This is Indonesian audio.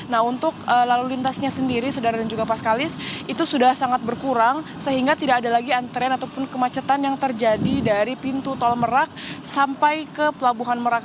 nah untuk lalu lintasnya sendiri saudara dan juga pas kalis itu sudah sangat berkurang sehingga tidak ada lagi antrean ataupun kemacetan yang terjadi dari pintu tol merak sampai ke pelabuhan merak